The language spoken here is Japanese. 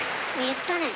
言ったね。